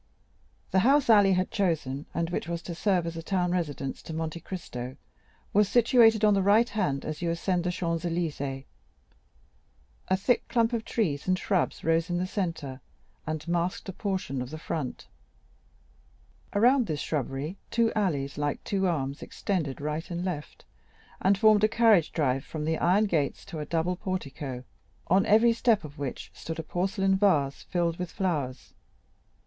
The house Ali had chosen, and which was to serve as a town residence to Monte Cristo, was situated on the right hand as you ascend the Champs Élysées. A thick clump of trees and shrubs rose in the centre, and masked a portion of the front; around this shrubbery two alleys, like two arms, extended right and left, and formed a carriage drive from the iron gates to a double portico, on every step of which stood a porcelain vase, filled with flowers.